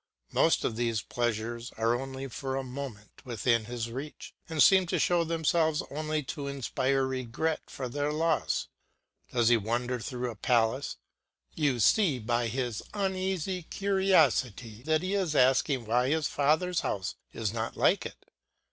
Most of these pleasures are only for a moment within his reach, and seem to show themselves only to inspire regret for their loss. Does he wander through a palace; you see by his uneasy curiosity that he is asking why his father's house is not like it.